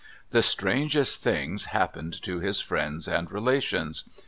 The strangest things happened to his friends and relations.